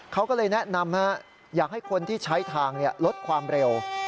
เขาก็เลยแนะนำอยากให้คนที่ใช้ทางลดความเร็ว